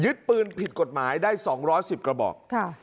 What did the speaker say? ปืนผิดกฎหมายได้๒๑๐กระบอก